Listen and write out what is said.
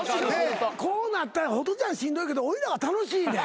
こうなったらホトちゃんしんどいけどおいらは楽しいねん。